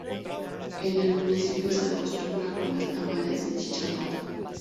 En el municipio se acostumbra comer tamales y chicharrón